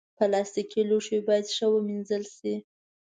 پلاستيکي لوښي باید ښه ومینځل شي.